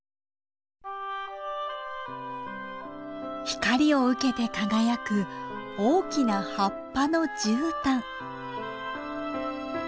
光を受けて輝く大きな葉っぱのじゅうたん。